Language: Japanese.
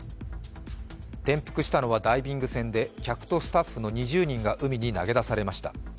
転覆したのはダイビング船で客とスタッフの２０人が海に投げ出されました。